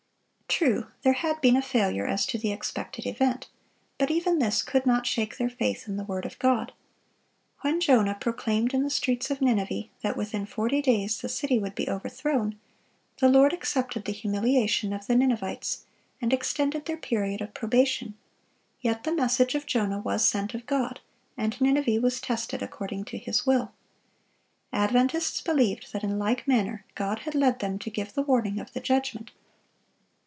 True, there had been a failure as to the expected event, but even this could not shake their faith in the word of God. When Jonah proclaimed in the streets of Nineveh that within forty days the city would be overthrown, the Lord accepted the humiliation of the Ninevites, and extended their period of probation; yet the message of Jonah was sent of God, and Nineveh was tested according to His will. Adventists believed that in like manner God had led them to give the warning of the judgment.